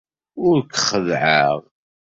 Ur k-xeddɛeɣ.